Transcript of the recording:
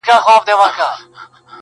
o ستا د خولې سا.